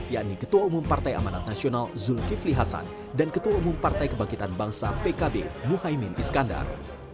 yakni ketua umum partai amanat nasional zulkifli hasan dan ketua umum partai kebangkitan bangsa pkb muhaymin iskandar